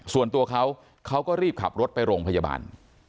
ส่วนตัวเขาเขาก็รีบขับรถไปโรงพยาบาล